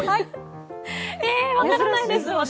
分からないです、私。